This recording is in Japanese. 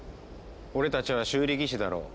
俺たちは修理技師だろう。